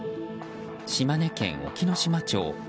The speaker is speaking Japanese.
島根県隠岐の島町。